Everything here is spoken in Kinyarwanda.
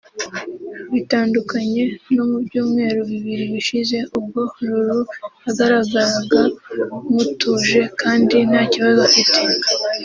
Bitandukanye no mu byumweru bibiri bishize ubwo Lulu yagaragaraga nk’utuje kandi nta kibazo afite